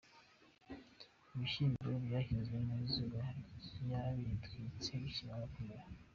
Ibishyimbo byahinzwemo izuba ryabitwitse bikimara kumera.